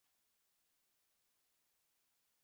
Kapo ni jopur ong'iewo gik ma nengogi tek,